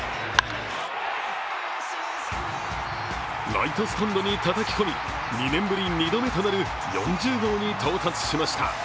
ライトスタンドにたたき込み２年ぶり２度目となる４０号に到達しました。